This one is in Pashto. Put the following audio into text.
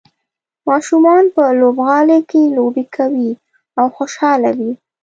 ماشومان په لوبغالي کې لوبې کوي او خوشحاله وي.